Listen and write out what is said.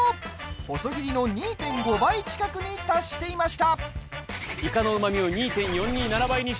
細切りの２．５倍近くに達していました。